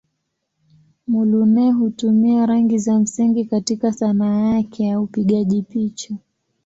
Muluneh hutumia rangi za msingi katika Sanaa yake ya upigaji picha.